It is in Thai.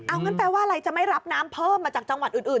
เอางั้นแปลว่าอะไรจะไม่รับน้ำเพิ่มมาจากจังหวัดอื่น